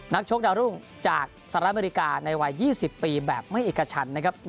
ชกดาวรุ่งจากสหรัฐอเมริกาในวัย๒๐ปีแบบไม่เอกชันนะครับ